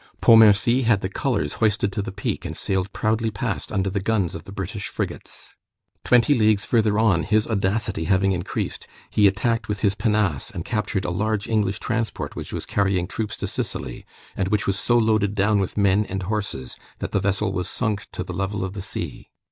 Pontmercy had the colors hoisted to the peak, and sailed proudly past under the guns of the British frigates. Twenty leagues further on, his audacity having increased, he attacked with his pinnace, and captured a large English transport which was carrying troops to Sicily, and which was so loaded down with men and horses that the vessel was sunk to the level of the sea.